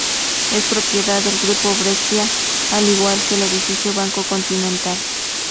Es propiedad del Grupo Brescia, al igual que El Edificio Banco Continental.